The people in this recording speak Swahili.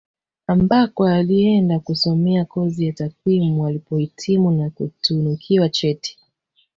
Ambako alienda kusomea kozi ya takwimu alipohitimu na kutunikiwa cheti